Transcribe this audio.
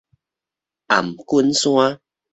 頷頸山